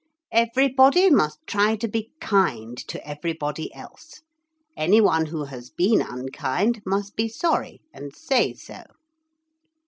"Everybody must try to be kind to everybody else. Any one who has been unkind must be sorry and say so."'